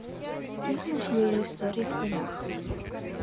Тех нашли у истории в пылях.